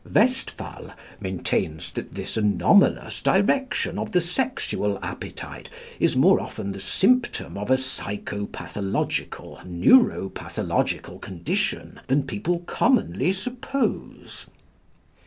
Westphal maintains that this anomalous direction of the sexual appetite is more often the symptom of a psychopathical, neuropathical condition than people commonly suppose."